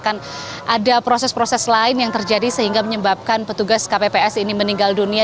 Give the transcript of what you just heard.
dan juga ada yang menyatakan ada proses proses lain yang terjadi sehingga menyebabkan petugas kpps ini meninggal dunia